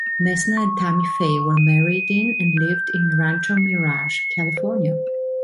Messner and Tammy Faye were married in and lived in Rancho Mirage, California.